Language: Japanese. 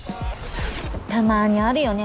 たまにあるよね